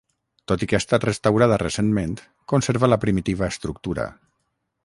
Tot i que ha estat restaurada recentment, conserva la primitiva estructura.